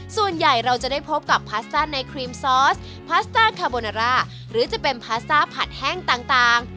ส่วนใหญ่เราจะได้พบกับพาสต้าในครีมซอสพาสต้าคาโบนาร่าหรือจะเป็นพาสต้าผัดแห้งต่าง